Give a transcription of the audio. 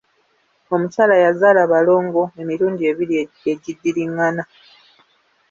Omukyala yazaala balongo emirundi ebiri egiddiringana.